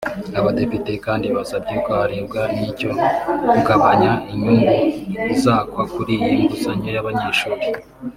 Abadepite kandi basabye ko harebwa n’icyo kugabanya inyungu izakwa kuri iyi nguzanyo y’abanyeshuli